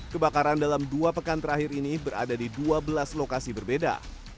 kebakaran dalam dua pekan terakhir ini berada di dua belas lokasi berbeda